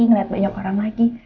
ngelihat banyak orang lagi